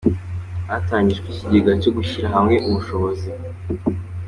Hatangijwe ikigega cyo gushyira hamwe ubushobozi.